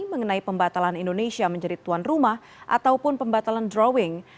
mengenai pembatalan indonesia menjadi tuan rumah ataupun pembatalan drawing